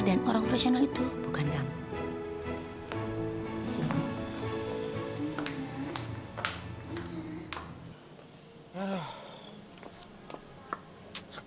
dan orang profesional itu bukan kamu